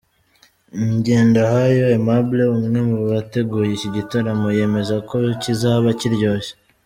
Ngendahayo Aimable umwe mu bateguye iki gitaramo yemeza ko kizaba kiryoshye.